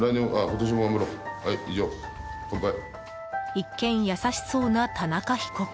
一見優しそうな田中被告。